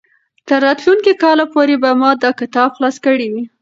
تر راتلونکي کال پورې به ما دا کتاب خلاص کړی وي.